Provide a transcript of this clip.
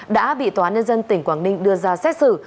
đã bị tòa nhân dân tỉnh quảng ninh đưa ra xét xử